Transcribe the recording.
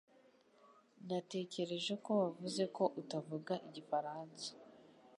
Natekereje ko wavuze ko utavuga igifaransa